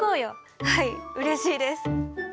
はいうれしいです。